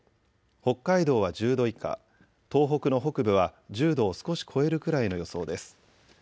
北海道は１０度以下、東北の北部は１０度を少し超えるくらいの予想です。